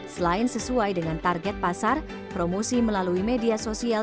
selain sesuai dengan target pasar promosi melalui media sosial